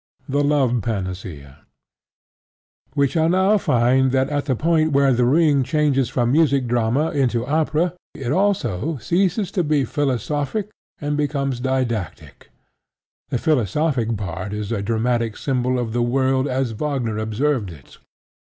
THE LOVE PANACEA We shall now find that at the point where The Ring changes from music drama into opera, it also ceases to be philosophic, and becomes didactic. The philosophic part is a dramatic symbol of the world as Wagner observed it.